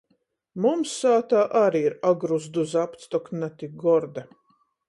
Mums sātā ari ir agruzdu zapts, tok na tik gorda.